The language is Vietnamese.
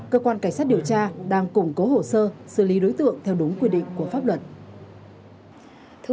cơ quan cảnh sát điều tra đang củng cố hồ sơ xử lý đối tượng theo đúng quy định của pháp luật